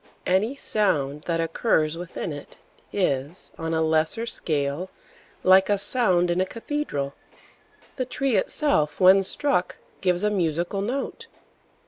Any sound that occurs within it is, on a lesser scale, like a sound in a cathedral. The tree itself when struck gives a musical note.